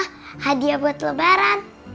hadiah buat lebaran